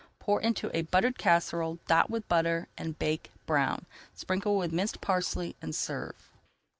Pour into a buttered casserole, dot with butter, and bake brown. Sprinkle with minced parsley and serve.